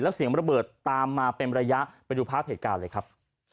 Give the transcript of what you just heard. แล้วเสียงระเบิดตามมาเป็นระยะไปดูภาพเหตุการณ์เลยครับ